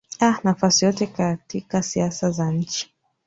aa nafasi yote katika siasa za nchi